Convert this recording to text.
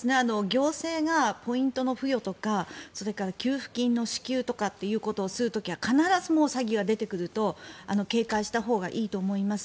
行政がポイントの付与とかそれから給付金の支給ということをする時は必ず詐欺は出てくると警戒したほうがいいと思います。